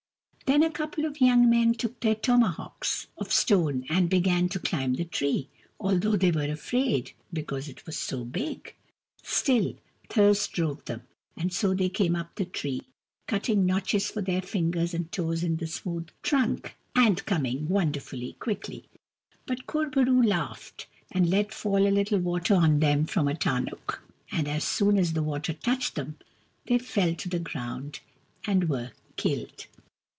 Then a couple of young men took their tomahawks of stone and began to climb the tree, although they were afraid, because it was so big. Still, thirst drove them, and so they came up the tree, cutting notches for their fingers and toes in the smooth trunk, and coming wonderfully quickly. But Kur bo roo laughed, and let fall a little water on them from a tarnuk ; and as soon as the water touched them, they fell to the ground and were killed.